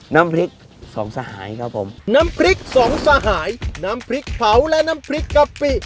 น้ำพริกสองสหายครับผมน้ำพริกสองสหายน้ำพริกเผาและน้ำพริกกะปิ